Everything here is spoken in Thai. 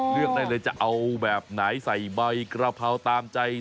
เลือกได้เลยจะเอาแบบไหนใส่ใบกระเพราตามใจ